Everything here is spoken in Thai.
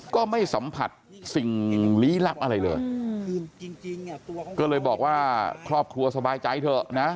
ก็ไม่สัมผัสสิ่งลี้ลับอะไรเลยก็เลยบอกว่าครอบครัวสบายใจเถอะนะ